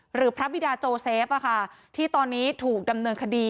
หรือพระบิดาโจเซฟที่ตอนนี้ถูกดำเนินคดี